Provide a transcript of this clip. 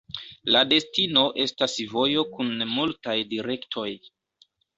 La destino estas vojo kun multaj direktoj.